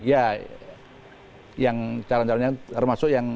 ya yang calon calonnya termasuk yang